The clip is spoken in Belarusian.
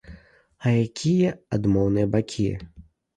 А якія адмоўныя бакі?